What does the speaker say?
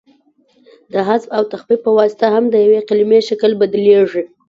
د حذف او تخفیف په واسطه هم د یوې کلیمې شکل بدلیږي.